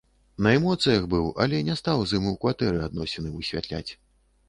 На эмоцыях быў, але не стаў з ім у кватэры адносіны высвятляць.